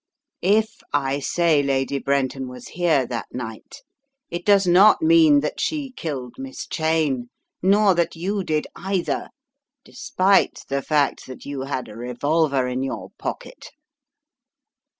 If I say Lady Brenton was here that night, it does not mean that she killed Miss Cheyne, nor that you did, either, despite the fact that you had a revolver in your pocket."